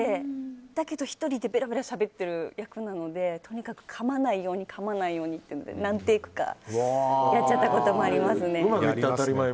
だけど、１人でべらべらしゃべってる役なのでとにかく、かまないようにかまないようにって何テイクかやっちゃったことがあります。